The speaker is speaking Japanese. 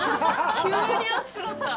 急に暑くなった。